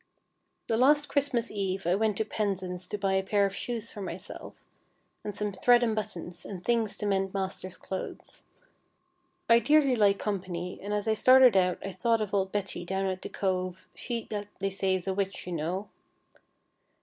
The last Christmas Eve I went to Penzance to buy a pair of shoes for myself, and some thread and buttons, and things to mend Master's clothes. I dearly like company, and as I started out I thought of old Betty down at the cove, she that they say is a Witch, you know.